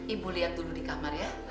ibu lihat dulu di kamar ya